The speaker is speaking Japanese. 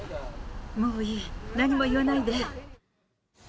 もういい、何も言わないで。